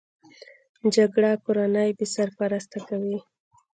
جګړه کورنۍ بې سرپرسته کوي